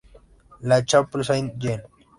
La Chapelle-Saint-Jean